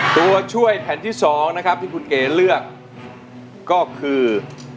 ตัวช่วยแผ่นที่๒นะครับที่คุณเก๋เลือกก็คือ